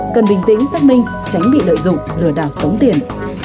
cần bình tĩnh xác minh tránh bị lợi dụng lừa đảo tống tiền